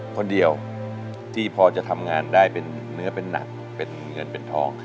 คนเดียวที่พอจะทำงานได้เป็นเนื้อเป็นหนักเป็นเงินเป็นทอง